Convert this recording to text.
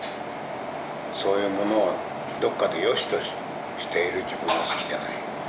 そういうものをどっかでよしとしている自分も好きじゃない。